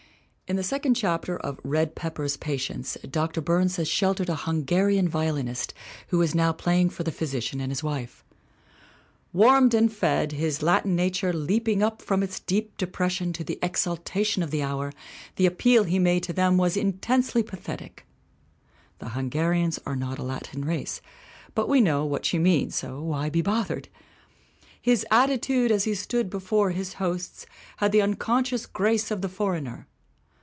In the second chapter of Red Pepper's Pa tients Dr. Burns has sheltered a Hungarian violinist who is now playing for the physician and his wife: " Warmed and fed, his Latin nature leaping up from its deep depression to the exaltation of the hour, the appeal he made to them was intensely pathetic/' The Hungarians are not a Latin race, but we know what she means, so why be bothered? "His attitude, as he stood before his hosts, had the unconscious grace of the foreigner."